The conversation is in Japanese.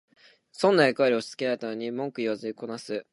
損な役割を押しつけられたのに文句言わずこなす